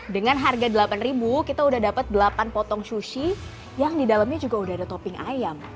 dengan harga rp delapan kita sudah dapat delapan potong sushi yang di dalamnya juga sudah ada topping ayam